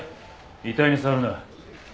遺体に触るな。